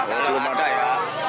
belum ada ya